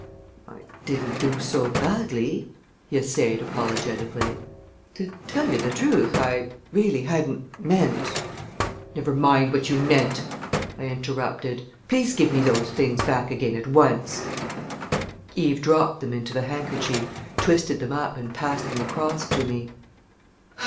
"I didn't do so badly," he essayed apologetically. "To tell you the truth, I really hadn't meant " "Never mind what you meant!" I interrupted. "Please give me those things back again at once!" Eve dropped them into the handkerchief, twisted them up and passed them across to me.